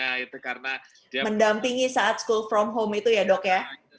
karena mendampingi saat school from home itu ya dok ya